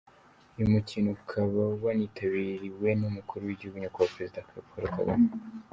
Uyu mukino ukaba wanitabiriwe n’Umukuru w’Igihugu Nyakubahwa Perezida Paul Kagame.